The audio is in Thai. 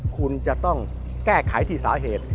คุณจะต้องแก้ไขที่สาเหตุ